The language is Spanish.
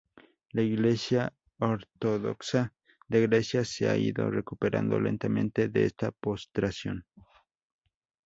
La Iglesia ortodoxa de Grecia se ha ido recuperando lentamente de esta postración.